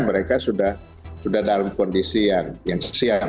mereka sudah dalam kondisi yang siang